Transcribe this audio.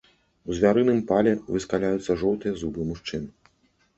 У звярыным пале выскаляюцца жоўтыя зубы мужчын.